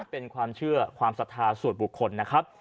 เป็นความเชื่อความศรัทธาส่วนบุคคลนะครับ